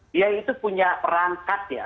dia itu punya perangkat ya